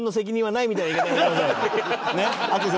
淳さん